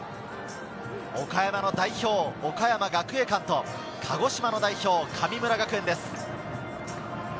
岡山の代表・岡山学芸館と鹿児島の代表・神村学園です。